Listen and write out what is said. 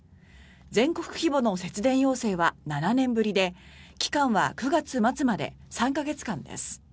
全国規模の節電要請は７年ぶりで期間は９月末まで３か月間です。